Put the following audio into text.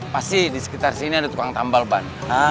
pasti di sekitar sini ada tukang tambal ban